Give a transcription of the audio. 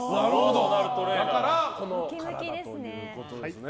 だからこの体ということですね。